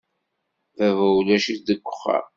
Baba ulac-it deg uxxam.